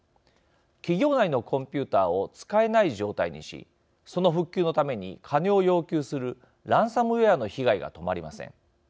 企業内のコンピューターを使えない状態にしその復旧のために金を要求するランサムウエアの被害が止まりません。